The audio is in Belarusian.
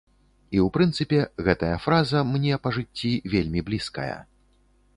І ў прынцыпе, гэтая фраза мне па жыцці вельмі блізкая.